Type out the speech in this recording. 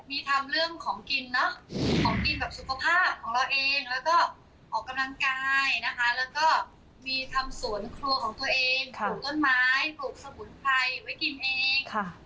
มีทำเรื่องของกินเนอะของกินแบบสุขภาพของเราเองแล้วก็ออกกำลังกายนะคะแล้วก็มีทำสวนครัวของตัวเองปลูกต้นไม้ปลูกสมุนไพรไว้กินเอง